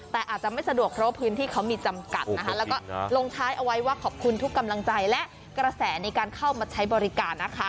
แต่อาจจะไม่สะดวกเพราะว่าพื้นที่เขามีจำกัดนะคะแล้วก็ลงท้ายเอาไว้ว่าขอบคุณทุกกำลังใจและกระแสในการเข้ามาใช้บริการนะคะ